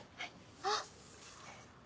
あっ。